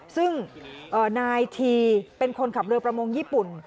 ซึ่งนายทีเป็นคนขับเรือประมงญี่ปุ่น